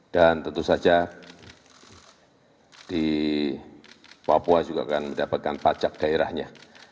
dan tentu saja di papua juga akan mendapatkan pajak daerahnya